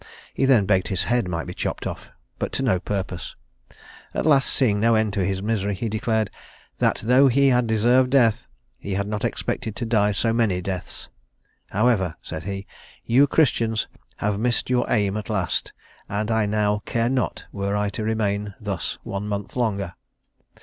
He then begged his head might be chopped off, but to no purpose. At last, seeing no end to his misery, he declared, 'that though he had deserved death, he had not expected to die so many deaths: however,' said he, 'you Christians have missed your aim at last, and I now care not, were I to remain thus one month longer.'